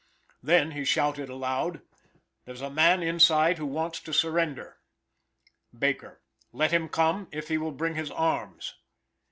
Then he shouted aloud: "There's a man inside who wants to surrender." Baker "Let him come, if he will bring his arms."